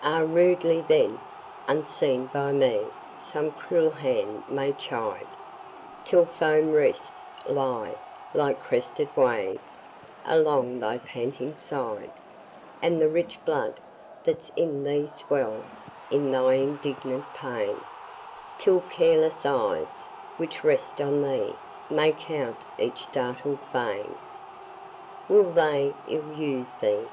Ah! rudely then, unseen by me, some cruel hand may chide, Till foam wreaths lie, like crested waves, along thy panting side, And the rich blood that's in thee swells in thy indignant pain, Till careless eyes, which rest on thee, may count each startled vein. Will they ill use thee?